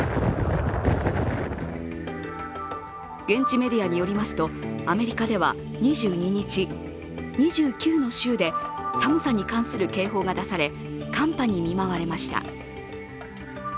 現地メディアによりますと、アメリカでは２２日、２９の州で寒さに関する警報が出され寒波に見舞われました。